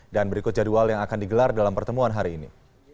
dan berikut jadwal yang akan digelar dalam pertemuan hari ini